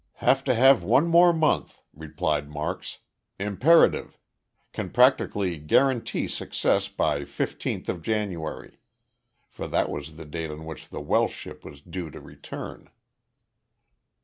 "Have to have one more month," replied Marks. "Imperative! Can practically guarantee success by fifteenth of January" for that was the date on which the Welsh ship was due to return.